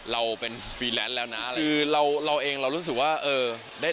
เราเป็นฟรีแลนซ์แล้วนะอะไรคือเราเราเองเรารู้สึกว่าเออได้